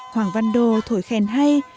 hoàng văn đô thổi khen hay